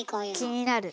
気になる。